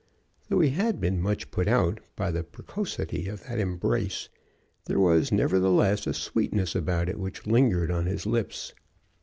Though he had been much put out by the precocity of that embrace, there was nevertheless a sweetness about it which lingered on his lips.